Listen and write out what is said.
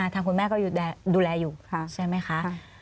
ทางคุณแม่ก็ดูแลอยู่ใช่ไหมคะ